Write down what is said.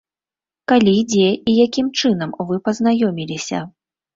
Калі, дзе і якім чынам вы пазнаёміліся?